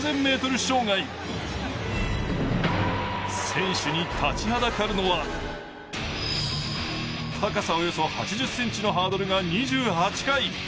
選手に立ちはだかるのは高さおよそ８０ｃｍのハードルが２８回。